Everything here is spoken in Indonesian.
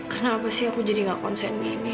kenapa sih aku jadi gak konsen gini